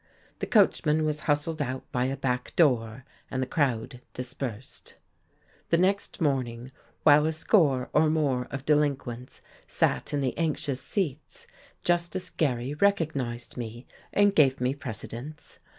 The coachman was hustled out by a back door, and the crowd dispersed. The next morning, while a score or more of delinquents sat in the anxious seats, Justice Garry recognized me and gave me precedence.